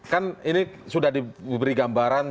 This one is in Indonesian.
kan ini sudah diberi gambaran